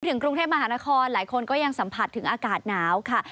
ถึงกรุงเทพมหานครหลายคนก็ยังสัมผัสถึงอากาศหนาวค่ะ